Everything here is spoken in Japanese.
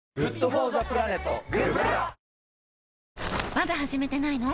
まだ始めてないの？